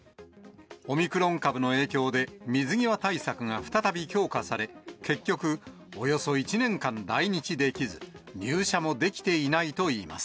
オミクロン株の影響で、水際対策が再び強化され、結局、およそ１年間来日できず、入社もできていないといいます。